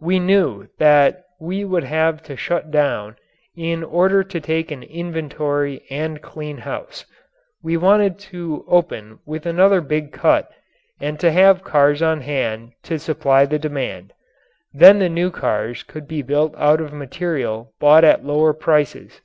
We knew that we would have to shut down in order to take an inventory and clean house. We wanted to open with another big cut and to have cars on hand to supply the demand. Then the new cars could be built out of material bought at lower prices.